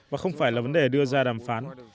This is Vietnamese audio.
và không phải là vấn đề đưa ra đàm phán